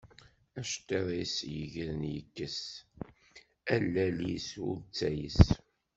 Acettiḍ, yegren yekkes, a lall-is ur ttayes.